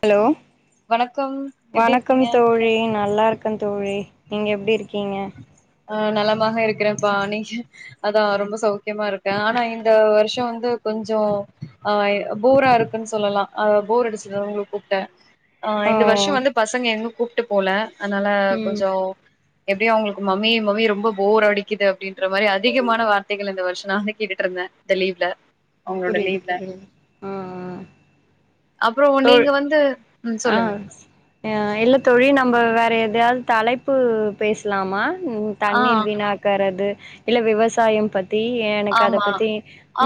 hello வணக்கம் எப்டி வணக்கம் இருக்கீங்க தோழி நல்லா இருக்கன் தோழி நீங்க எப்படி இருக்கீங்க ஆஹ் நலமாக இருக்கிறேன்ப்பா நீங்க அதான் ரொம்ப சௌக்கியமா இருக்கேன் ஆனா இந்த வருஷம் வந்து கொஞ்சம் ஆஹ் போரா இருக்குன்னு சொல்லலாம் போர் அடிச்சது உங்களுக்கு கூப்பிட்டேன் ஆஹ் ஓ இந்த வருஷம் வந்து பசங்க என்னும் கூப்ப ட்டு போல அதனால ம் கொஞ்சம் எப்டி அவுங்களுக்கு மம்மி மம்மி ரொம்ப போர் அடிக்குது அப்படின்ற மாதிரி அதிகமான வார்த்தைகள் இந்த வருஷம் நான் கேட்டுட்டு இருந்தேன் இந்த லீவ்ல அவங்களோட புரிது லீவ்ல ஹ ஹ அப்றோ தோல் நீங்க வந்து ம் ஹ சொல்லுங்க யா இல்ல தோழி வேற எத் ஏதாவது தலைப்பு பேசலாமா உம் ஆ தண்ணீர் வீணாக்கறது இல்ல விவசாயம் பத் த்தி எனக்கு அத பத்தி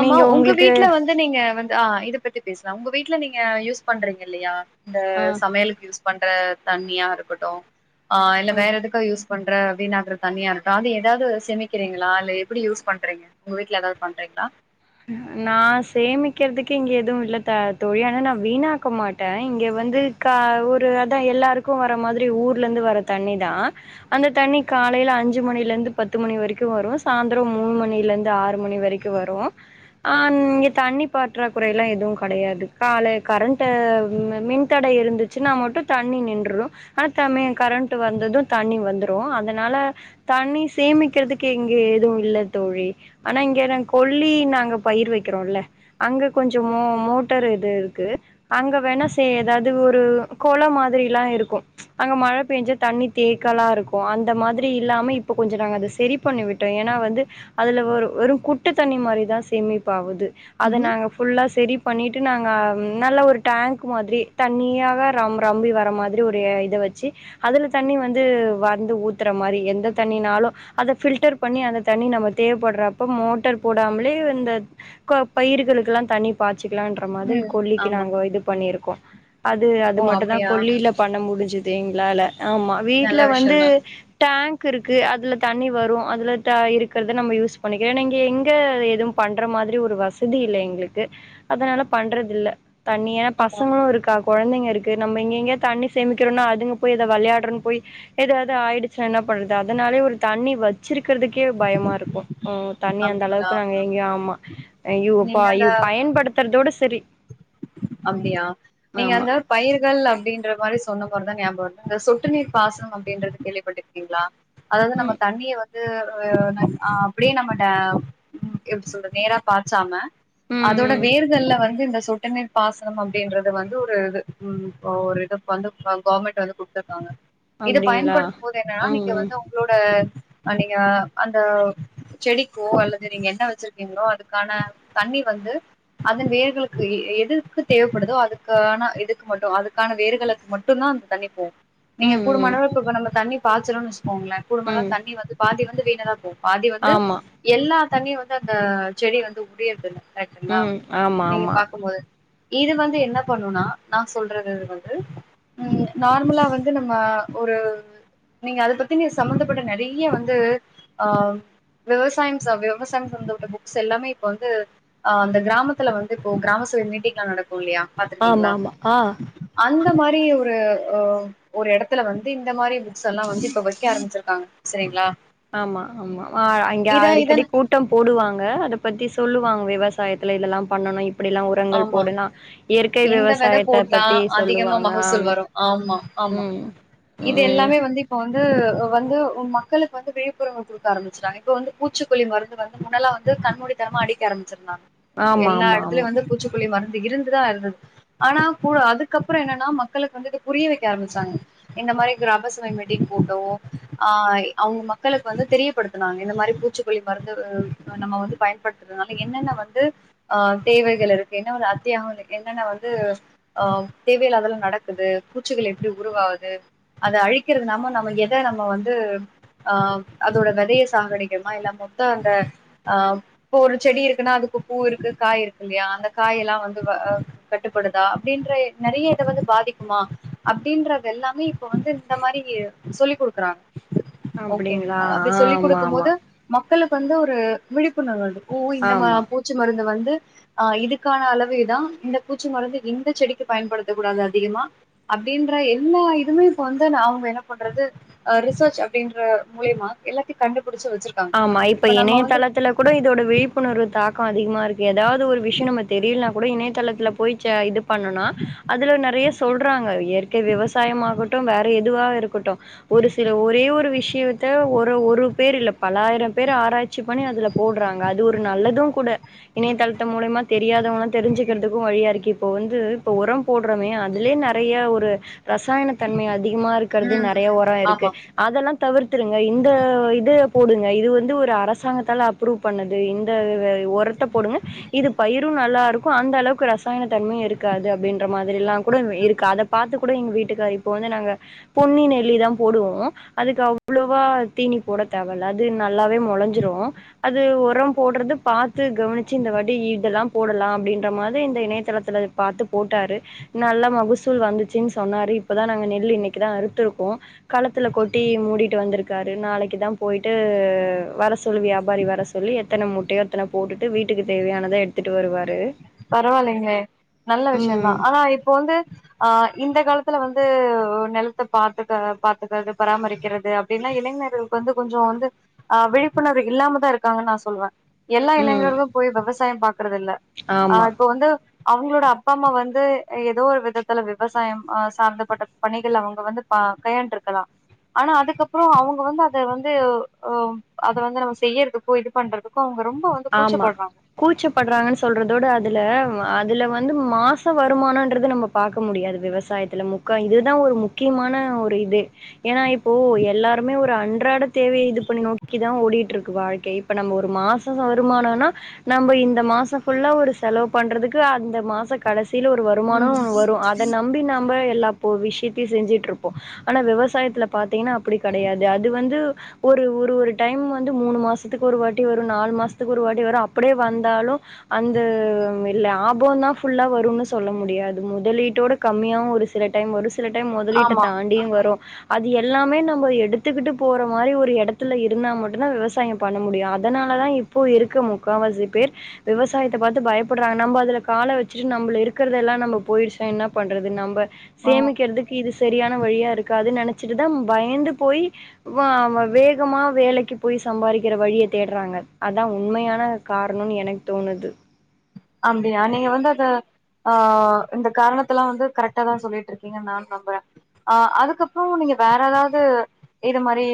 நீங்க உங்ளுக்கு ல வந்து நீங்க வந்து ஆஹ இதை பத்தி பேசலாம் உங்க வீட்டுல நீங்க யூஸ் பண்றீங்க இல்லையா இந்த ஆ சமையலுக்கு யூஸ் பண்ற தண்ணியா இருக்கட்டும் ஆ இல்ல வேற எதுக்கா யூஸ் பண்ற வீணாக்கற தண்ணியா இருக்கா அது ஏதாவது சமிக்கிறீங்களா இல்ல எப்படி யூஸ் பண்றீங்க உங்க வீட்டுல ஏதாவது பண்றீங்ளா நான் சேமிக்கிறதுக்கு இங்க எதுவும் இல் தா தோழி ஆனா நான் வீணாக்க மாட்டேன் இங்க வந்து கா ஒரு அதான் எல்லாருக்கும் வர மாதிரி ஊர்ல இருந்து வர தண்ணிதான் அந்த தண்ணி காலையில அஞ்சு மணில இருந்து பத்து மணி வரைக்கும் வரும் சாய்ந்தரம் மூணு மணில இருந்து ஆறு மணி வரைக்கும் வரும் ஆ இங்க தண்ணி பற்றா குறை எல்லாம் எதுவும் கிடையாது கால கரண்ட்ட மின்தடை இருந்துச்சுன்னா மட்டும் தண்ணி நின் [unintelligible] கரண்ட் வந்ததும் தண்ணி வந்துரும் அதனால தண்ணி சேமிக்கிறதுக்கு இங்க எதுவும் இல்ல தோழி ஆனா இங்க கோல் ள்ளி நாங்க பயிர் வைக்கிறோம்ல அங்க கொஞ்சம் மோ மோட்டர் இது இருக்கு அங்க வேணா செய் ஏதாவது ஒரு கொல மாதிரில்லாம் இருக்கும் அங்க மழை பெய்ஞ்சா தண்ணி தேக்கல்லாம் இருக்கும் அந்த மாதிரி இல்லாம இப்ப கொஞ்சம் நாங்கள் அதை சரி பண்ணி விட்டோம் ஏன்னா வந்து அதுல வெறும் குட்டு தண்ணி மாரி தான் சேமிப்பாவது அதை ம்ஹ்ம் நாங்க ஃபுல்லா செரி பண்ணிட்டு நாங்கள் நல்லா ஒரு டேங்க் மாதிரி தண்ணியாக ரம் ரம்பி வர மாதிரி ஒரு இதை வச்சு அதல தண்ணி வந்து வந்து ஊத்துற மாதிரி எந்த தண்ணினாலும் அதை ஃபில்டர் பண்ணி அந்த தண்ணி நம்ம தேவைப்படுறப்ப மோட்டர் போடாமலே இந்த பயிர்களுக்கெல்லாம் தண்ணி பாத்த வச்சுக்கலாம்ன்ற மாதிரி ம் கொல்லிக்கு ஆமா நாங் இது பண்ணியிருக்கோம் அது அது ஓ மட்டும் தான் அப்டியா கொல்லியில பண்ண முடிஞ்சு [unintelligible] எங்ளால ஆமா வீட்ல நல்ல வந்து விஷயந்தா டேங்க் இருக்கு அதுல தண்ணி வரும் அதுல இருக்கிறத நம்ம யூஸ் பண்ணிக்கிறோம் நீங்க எங்க [unintelligible] எதுவும் பண்ற மாதிரி ஒரு வசதி இல்லை எங்களுக்கு அதனால பண்றது இல்ல தனியா ஆமா பசங்களும் இருக்கா குழந்தைங்க இருக்கு நம்ம எங்க எங்கேய தண்ணி சேமிக்கிறோம்னா அது போய் ஏதோ விளையாடுறன்னு போய் ஏதாவது ஆயிடுச்சு என்ன பண்றது அதனாலே ஒரு தண்ணி வச்சிருக்கு இருக்கிறதுக்கே பயமா இருக்கும் தண்ணி அந்த அளவுக்கு அப்டிங்களா க்குங்க எங்க ஆமா யோப்ப பயன்படுத்துறதோட சரி அப்படியா நீங்க ஆமா அந்த பயிர்கள் அப்படின்ற மாதிரி சொன்ன போதுதான் ஞாபம் இந்த சொட்டு நீர் பாசனம் அப்படின்றது கேள்விப்பட்டிருக்கீங்களா அதாவது நம்ம ம் தண்ணிய வந்து வேற வன்ன அப்படியே நம்ம உ எப்படி சொல்ற நேரா பாச்சாம ம் அதோட ம் வேர்கள்ல வந்து இந்த சொட்டு நீர் பாசனம் அப்படின்றது வந்து ஒரு இது உ இது ஒ இது வந்து கவர்மெண்ட் வந்து குடுத்துருக்காங்க இத அப்டிங்களா பயன்படுத்தும் போது என்னன்னா நீங்க ம் வந்து உங்களோட நீங்க அந்த செடிக்கோ அல்லது நீங்க என்ன வச்சிருக்கீங்களோ அதுக்கான தண்ணி வந்து அதன் வேர்களுக்கு எது தேவைப்படுதோ அதுக்கான இதுக்கு மட்டும் அதுக்கான வேறுகளுக்கு மட்டும் தான் அந்த தண்ணி போகும் ம் நீங்க ம் கூடுமான ம் அளவு இப்ப நம்ம தண்ணி பச்சினு சொல் போங்களேன் குடும்பலா ம் தண்ணி வந்து பாதி வந்து [unintelligible] பாதி வந்து ஆமா எல்லா தண்ணி வந்து அந்த செடி வந்து உடயறது தில்லை கேட்டுங்களா ம் ஆமா நீங்க ஆமா பாக்கும்போது இது வந்து என்ன பண்ணும்னா நான் சொல்றது இது வந்து உஹம் நார்மலா வந்து நம்ம ஒரு நீங்க அதை பத்தி சம்பந்தப்பட்ட நிறைய வந்து ஆஹ் விவசாயம் விவசாயம் சம்பந்தப்பட்ட புக்ஸ் எல்லாமே இப்ப வந்து ஆஹ அந்த கிராமத்துல வந்து இப்போ கிராம சட்ட மீட்டிங் நட ஆமா ஆமா ஆ இந்த மாதிரி ஒரு ஒரு இடத்துல வந்து இந்த மாதிரி புக்ஸ் எல்லாம் வந்து இப்ப வைக்க ஆரம்பிச்சிருக்காங்க செரிங்களா ஆமா ஆமா அங்க அடிக்கடி இதன் கூட்டம் போடுவாங்க அத பத்தி சொல்லுவாங்க விவசாயத்துல இதெல்லாம் பண்ணணும் இப்ப ஆமா இந்த விதை விவசாயத்த போடலாம் பத்தி அதிகமா சொல்லுவாங்க மகசூல் ஆமா வரும் ஆமா ஆமா ம் இது ம் எல்லாமே வந்து இப்ப வந்து வந்து மக்களுக்கு வந்து விழிப்புணர்வு கொடுக்க ஆரம்பிச்சிறாங்க இப்போ வந்து பூச்சிக்கொள்ளி மருந்து வந்து முன்னலாம் வந்து கண்மூடி தனமாக அடிக்க ஆரம் ந்தா ஆமா எல்லா ஆமா ஆமா இடத்துலயும் வந்து மருந்து இருந்துதான் இருந்தது ஆனா கூட அதுக்கப்புறம் என்னன்னா மக்களுக்கு வந்து இத புரிய வைக்க ஆரம்பிச்சாங்க இந்த மாதிரி கிரபசம மீட்டிங் போட்டோ ஆஹ அவங்க மக்களுக்கு வந்து தெரியப்படுத்தனாங்க இந்த மாதிரி பூச்சிக்கொல்லி மருந்து நம்ம வந்து பயன்படுத்துறதுனால என்னென்ன வந்து ஆஹ் தேவைகள் இருக்கு என்ன ஒரு அத்தியாகம் என்னென்ன வந்து ஆஹ் தேவையில்லாத அதெல்லாம் நடக்குது பூச்சிகள் எப்படி உருவாகுது அதை அழிக்கிறது நாம நம்ம எதை நம்ம வந்து ஆஹ் அதோட விதைய சாகடிக்கிறோமா இல்ல மொத்த அந்த ஆஹ் இப்ப ஒரு செடி இருக்குன்னா அதுக்கு பூ இருக்கு காய் இருக்கு இல்லையா அந்த காய எல்லாம் வந்து கட்டுப்படுதா அப்புடின்ற நிறைய இத வந்து பாதிக்குமா அப்படின்றது எல்லாமே இப்ப வந்து இந்த மாதிரி சொல்லிக் கொடு இக்குராங்க அப்டிங்களா ஓகேங்களா அப்டி சொல்லி ஆமா கொடுக்கும் ஆமா போது மக்கள் மக்களுக்கு வந்து ஒரு விழிப்புணர்வு வருது ஓ இந்த ம ஆமா பூச்சி மருந்து வந்து ஆஹ் இதுக் காண அளவு இதான் இந்த பூச்சி மருந்து இந்த செடிக்கு பயன்படுத்தக் கூடாது அதிகமா அப்படின்ற எல்லா இதுவுமே இப்ப வந்து அவங்க என்ன பண்றது ரிசர் அப்படின்ற மூலமா எல்லாத்த க ஆமா இப்ப இணையதளத்துல கூட இதோட விழிப்புணர்வு தாக் க்கோ அதிகமா இருக்கு ஏதாவது ஒரு விஷயம் நம்ம தெரியலனா கூட இணையதளத்துல போய் இது பண்ணனா அதுல நிறைய சொல்றாங்க இயற்கை விவசாயமாககட்டும் வேற எது இதுவா இருக்கட்டும் ஒரு சில ஒரே ஒரு விஷயத்த ஒரு ஒரு பேர் இல்ல நெறய பேர் ஆராயி ச்சு பண்ணி அதுல போடுறாங்க அது ஒரு நல்லதும் கூட இணையதளத்த மூலியமா தெரியாதவங்காம் தெரிஞ்சுக்கிறதுக்கும் வழியா இருக்கு இப்போ வந்து இப்ப உரம் போடுறோமே அதுலயே நிறைய ஒரு ரசாயன தன்மை அதிகமா இருக்கிறது ம் நறைய உரம் இருக்கு ஆமா அதெல்லாம் தவிர்த்துருங்க இந்த இது இது வந்து ஒரு அரசாங்கத்தால அப்ரூவ் பண்ணது இந்த உரத்த போடுங்க இது பயிரும் நல்லா இருக்கும் க்கு அந்த அளவுக்கு ரசாயன தன்மையும் இருக்காது அப்படின்ற மாதிரி எல்லாம் கூட இருக்கு அதை பார்த்து கூட எங்க வீட்டுக்கரு இப்போ வந்து நாங்க பொன்னின் நெல்லிதான் போடுவோம் அதுக்கு அவ்வளோவா தீனி போட தேவல்ல அது நல் லாவே முளைஞ்சிறோம் அது ஒரு ஓரம் போடுறது பாத்து கவனிச்சு இந்த வாட்டி இதெல்லாம் போடலாம் அப்படின்ற மாரி இந்த இணையதளத்து பார்த்து போட்டாரு நல்ல மகுசூல் வந்துச்சின்ன்னு சொன்னாரு இப்பதான் நாங்க நெல் இன்னைக்கு தான் அறுத்துருக்கோம் களத்துல கொட்டி மூடிிட்டு வந்திருக்காரு நாளைக்கு தான் போயிட்டு வர சொல்லி வியாபாரி வர சொல்லி எத்தன முட்டையோ அத்தன போட்டுட்டு வீட்டுக்கு தேவையானத எடுத்துட்டு வருவாரு பரவாயில்லைங்களே நல்ல ம் விஷயம்தான் ஆனா இப்போ வந்து ஆஹ் இந்த காலத்துல வந்து நிலத்த பார்த்துக்க பார்த்துக்கறிறது பராமரிக்கிறது அப்டின்னா இளைஞர்களுக்கு வந்து கொஞ்சம் வந்து ஆஹ் விழிப்புணர்வு இல்லாமதான் இருக்காங்கன்னு நான் சொல்லுவேன் எல்லா ம் இளைங்களுக்கும் போய் விவசாயம் பாக்குறது இல்ல ஆமா ஆஹ் இப்போ வந்து அவங்களோட அப்பா அம்மா வந்து ஏதோ ஒரு விதத்துல விவசாயம் அஹ் சார்ந்தப்பட்ட பணிகள் அவங்க வந்து கையாண்டுிருக்கலாம் ஆனா அதுக்கப்புறம் அவங்க வந்து அத வந்து அஹ் அத வந்து நம்ம செய்யறதுக்கோ இது பண்றதுக்கோ அவங்க ரொம்ப வந்து ஆமா கூச்சப்படுறாங்க கூச்சப்படுறாங்கன்னு சொல்றதோட அ அதுல அதுல வந்து மாசம் வருமானம்ன்றது நம்ம பார்கக்க முடியாது விவசாயத்துல முக்கா இதுதான் ஒரு முக்கியமான ஒரு இது ஏன்னா இப்போ எல்லாருமே ஒரு அன்றாட தேவையை இது பண்ணி நோக்கிதான் ஓடிட்டு இருக்கு வாழ்க்கை இப்ப நம்ம ஒரு மாசம் வருமானம்னா நம்ம இந்த மாசம் ஃபுல்லா ஒரு செலவு பண்றதுக்கு அந்த மாசம் கடைசி [unintelligible] ஒரு வருமானம் ம் வரும் அத நம்பி நாம எல்லா போ விஷ திகி செஞ்சுட்டு இருப்போம் ஆனா விவசாயத்தில் பார் பத்தீன்னா அப்படி கடையாது அது வந்து ஒரு ஒரு ஒரு டைம் வந்து மூணு மாசத்துக்கு ஒரு வாட்டி வரு நாலு மாசத்துக்கு ஒரு வாட்டி வரும் அப்படியே வந்தாலும் அந்த ம் லாபம் தான் வரும் சொல்ல முடியாது முதலீட்டோட கம்மியாவும் ஒரு சில டைம் வரு சில டைம் முதலீட்ட ஆமா தாண்டியும் வரும் அது எல்லாமே நம்ம எடுத்துக்கிட்டு போற மாரி ஒரு எடத்துல இருந்தா மட்டும்தான் விவசாயம் பண்ண முடியும் அதனால தானே இப்போ இருக்க முக்கவசி பேர் விவசாயத்த பாத்து பயப்டுறாங்க நம்ம அதுல கால வச்சுட்டு நம்ம இருக்கதெல்லாம் நம்ம போயிர்ச்ச என்ன பண்றது நம்ம ஆ சேமிக்கிறதுக்கு இது சரியான வழியா இருக்காது நெனச் சித்தம் பயந்து போய் வா வ வேகமா வேலக்கி போய் சம்பாரிக்ற வழிய தேட்றாங்க அதா உண்மயான காரணம்னு எனக்கு தோணுது அப்டியா நீங்க வந்து அத ஆஹ் இந்த காரணத்தல்லா வந்து கரெடா தான் சொல்லிற் இருக்கீங்கன்னு நான் நம்புறேன் ஆஹ் அதுக்கப்புற நீங்க வேற ஏதாவது இது மாதிரி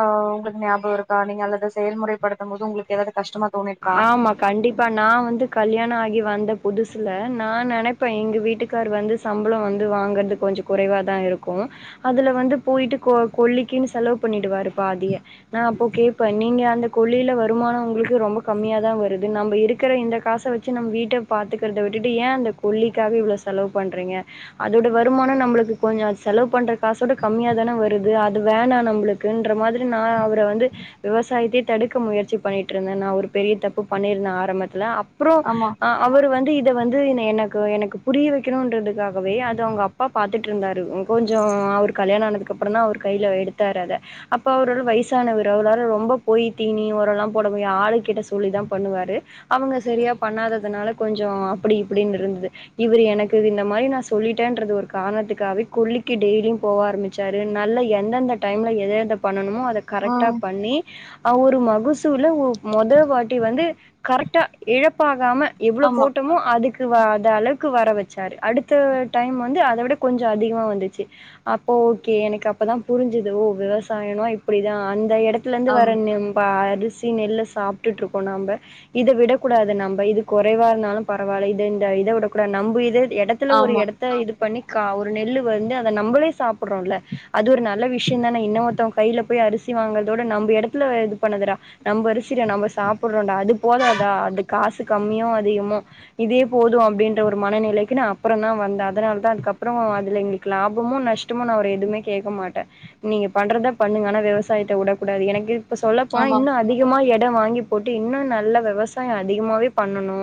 ஆஹ் உங்களு ஞாபகம் இருக்கா நீங்க அல்லது செயல்முறைப்படுத்தும் போது உங்களுக்கு ஏதாவது கஷ்டமா தோணிருக்கா ஆமா கண்டிப்பா நா வந்து கல்யாண ஆகி வந்த புதுசுல நா நெனப்பே எங்க வீட்டுக்காரு வந் சம்பளம் வந்து வாங்கறதுக் கொஞ்ச குறைவா தான் இருக்கும் அதுல வந்து போய்ட்டு கொல்லிக்கீன்னு செலவு பண்ணிடுவாரு பாதிய நான அப்போ கேபே நீங்க அந்த கொழியில வருமானம் உங்களுக்கு ரொம்ப கம்மியா தா வருது நம்ம எடுக்ற இந்த காச வச்சி நம் வீட்ட பாத்துக்கறத விட்டுட்டு ஏ அந்த கொல்லிக்காக இ்வ்ல செலவு பண்றீங்க அதோட வருமானம் நம்புளுக்கு கொஞ்ச செலவு பண்றக் காசோட கம்மிய தானே வருது இது அது வேணா நம்மளுக்குன்ற மாரி நான அவர் இப்ப வந்து விவசாயத்தே தடுக்க முயற்சி பண்ணிட்டு இருந்தே நான் ஒரு பெரிய தப்பு பண்ணியிருந்த ஆரம்பத்ல அப் அப்பறம் ஆமா அவர் வந்து இப் இத வந்து என்னய எனக்கு எனக்கு புரிய வைக்கணும்ன்றதுக்காகவே அது அவங்க அப்பா பாத்துட்டு இருந்தாரு கொஞ்சம் அவர் கல்யாணம் ஆனதுக்கு அப்ற தா அவர் கையில எடுத்தாரு அத அப்ப அவரோட வயசானவர் அவள ரொம்ப போய் தீனி ஒரரெல்லாம் போட முடிய் ஆளு கிட்ட துல்லி தாம் பண்ணுவாரு அவங்க சரியா பண்ணாததனால கொஞ்ச அப்டி இப்டினு இருந்தது இவரு எனக்கு இந்த மாரி நான சொல்லிட்டேன்றது ஒரு காரணத்துக்காவே கொல்லிக்கி டெய்லும் போக ஆரம்பிச்சாரு நல்ல எந்தந்த டைம்ல எததபன் ன்னனுமோ அத கரெட்டா ம் பண்ணி ஆ ஒரு மகுசூல ஓ மொத வாட் தீ வந்து கரெட்டா இழப்பாகாம இவ்வள ஆமா போட்டோமோ அதுக் இதுவாஜஅளவுக்கு வர வச்சாரு அடுத்த டைம் வந்து அத விட கொஞ்ச அதிகம வந்திச்சி அப்போ ஓகே எனக்கு அப்பதான் புரிஞ்சது ஓ விவசாயன இப்படிதா அந்த இடத் த்துலேந்து ஆம் வர நேம் வ அது சி நெல்லு சாப்ட்டுருக் போ நம்பர் இத விடக்கூடாது நம்ப இது கொறைவா இருந்தாலும் பரவால்ல இது இந்த இத வுடக்கூடாது நம்ப இத எடத்துல ஒரு ஆமா எடத்த இது பண்ணி கா ஒரு நெல்லு வந்து அத நம்பளே சாப்ட்றோம்ல அது ஒரு நல்ல விஷ்ய தானே இன்ன ஒத்த கையிர்ல போய் அரிசி வாங்கறதோட நம்ம இடத்துல இது பண்ணதுடா நம்ம அரசிட நம்ம சாப் ந்தா அது போத அந்த அது காசு கம்மியும் அதிகமோ இதே போதும் அப்படின்ற ஒரு மனநிலைக்கு நான் அப்பற நா வந்த அதரர்தான் அதுக்கப்புறம் அதுல எங்களுக்கு லாபமும் நஷ்டமோ நா ஒரு எதுவுமே கேட்க மாட்டே நீங்க பண்றதா பண்ணுங்க ஆனா விவசாயத்தை வுடக் கூடாது எனக்கு இத சொல்ல போனா ஆமா இன்னு அதிகமா எடுத் இது வாங்கிப் போட்டு இன்னு நல்ல விவசாய அதிகமாவே பண்ணனு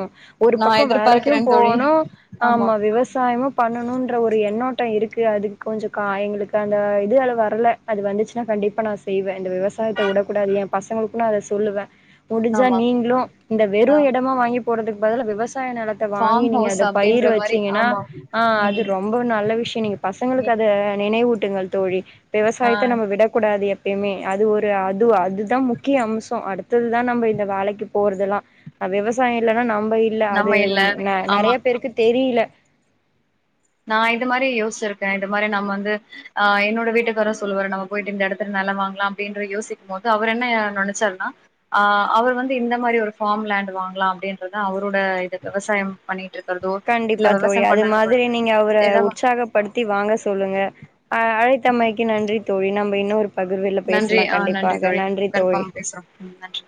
ஒரு நா பக்கம் எதிர்பார்க்கிறே வேலைக்கும் தோழி போணும் ஆமா விவசாயமும் பண்ணணும்ன்ற ஒரு எண்ணோட் ட்ட இருக்கு அது கொஞ்ச காய எங்களுக்கு அந்த இதுலவு வரல அது வந்துச்சுன்னா கண்டிப்பா நான் செய்வேன் இந்த விவசாயத்த வுடக்கூடாது என் பசங்களுக்கு நா அத சொல்லுவேன் முடிஞ்சா ஆமா நீங்களும் இந்த ஆ வெறு எடமா வாங்கி போறதுக்கு பதில் விவஸ் விவசாய நிலத்தை வாங்கி ஃபார்ம் நீங்க ஹவுஸ் அத பயிர் அப்டின்ற மாரி வச்சீங்கன்னா ஆமா ஆ அது ம் ரொம்ப நல்ல விஷயம் நீங்க பசங்களுக்கு அதை நினைவூட்டுங்கள் தோழி ஆ விவசாயத்தை நம்ம விடக்கூடாது எப்மே அது ஒரு அது அதுதான் முக்கிய அம்சம் அடுத்தது தான் நம்ம இந்த வேலக்கு போறதெல்லாம் விவசாயம் இல்ன்னா நம்ம இல் நம்ம அது இல்ல ஆமா நெறைய பேருக்கு தெரியல [unintelligible] நான இது மாரி யோசிச்சிருக்கேன் இந்த மாரி நம்ம வந்து ஆ என்னோட வீட்டுக்கார சொல்லுவா நம்ம போயிட்டு இந்த இடத்துல நிலை வாங்கலாம் அப்டின்ற யோசிக்கும் போது அவர் என்ன நினைச்சாருனா ஆ அவர் வந்து இந்த மாரி ஒரு ஃபார்ம் லேண்ட் வாங்கலாம் அப்டின்றதான் அவரோட இது விவசாயம் பண்ணி கண்டிப்பா தோழி அது மாரி நீங்க ஒரு ஏதா உற்சாகப்படுத்தி வாங்க சொல்லுங்க அழைத்தம்மைக்கு நன்றி தோழினா ந இன்னும் நன்றி ஆ நன்றி தோழி தோழி கன்ஃபார்மா பேசுறோம் நன்றி